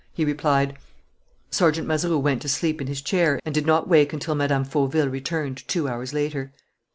He replied: "Sergeant Mazeroux went to sleep in his chair and did not wake until Mme. Fauville returned, two hours later."